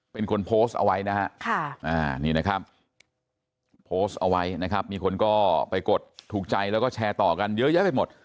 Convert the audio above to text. เป็นคนโพสต์เอาไว้นะฮะนี่นะครับโพสต์เอาไว้นะครับมีคนก็ไปกดถูกใจแล้วก็แชร์ต่อกันเยอะแยะไปหมด